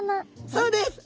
そうです！